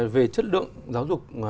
về chất lượng giáo dục